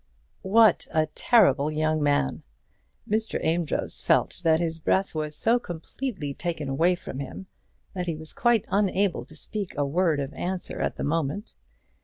What a terrible young man! Mr. Amedroz felt that his breath was so completely taken away from him that he was quite unable to speak a word of answer at the moment.